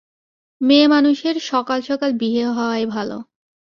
মেয়েমানুষের সকাল-সকাল বিয়ে হওয়াই ভালো।